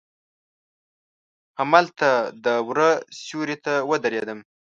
هملته د وره سیوري ته ودریدم.